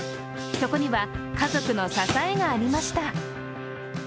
そこには家族の支えがありました。